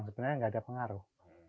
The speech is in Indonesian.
sebenarnya tidak ada pengaruh